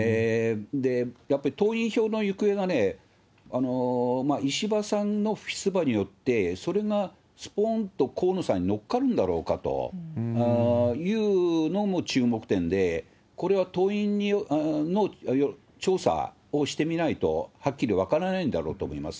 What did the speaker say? やっぱり党員票の行方が石破さんの不出馬によって、それがすぽーんと河野さんに乗っかるんだろうかというのも注目点で、これは党員に調査をしてみないと、はっきり分からないんだろうと思います。